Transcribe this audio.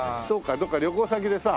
どこか旅行先でさ。